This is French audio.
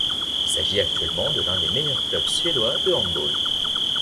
Il s'agit actuellement de l'un des meilleurs clubs suédois de handball.